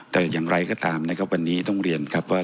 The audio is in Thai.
แต่อย่างไรก็ตามวันนี้ต้องเรียนว่า